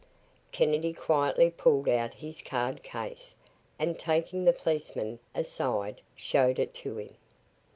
Kennedy quietly pulled out his card case and taking the policeman aside showed it to him.